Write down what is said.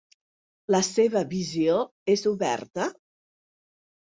La seva visió és oberta?